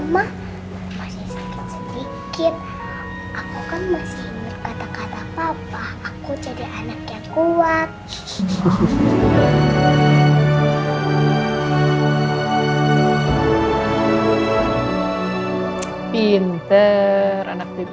pinter anak pinter